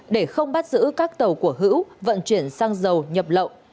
để không bắt giữ các tàu của hữu vận chuyển xăng dầu nhập lậu